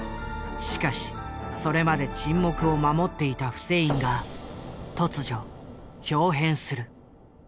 しかしそれまで沈黙を守っていたフセインが突如豹変する。